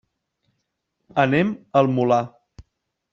Anem al Molar.